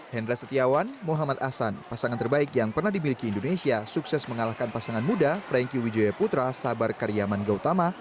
hendra setiawan muhammad ahsan pasangan terbaik yang pernah dimiliki indonesia sukses mengalahkan pasangan muda franky wijaya putra sabar karyaman gautama